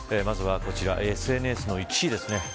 まずはこちらＳＮＳの１位です。